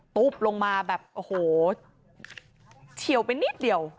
ปุ๊บลงมาแบบโอ้โหเฉียวไปนิดเดียว